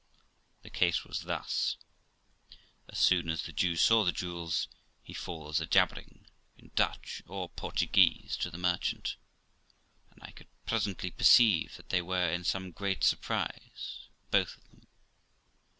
The case was thus: As soon as the Jew saw the jewels he falls a jabbering, in Dutch or Portuguese, to the merchant ; and I could presently perceive that they were in some great surprise, both of them.